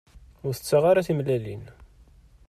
Ur tetteɣ ara timellalin.